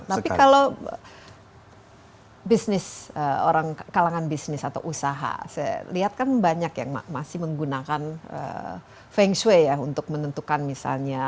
tapi kalau bisnis orang kalangan bisnis atau usaha saya lihat kan banyak yang masih menggunakan feng shui ya untuk menentukan misalnya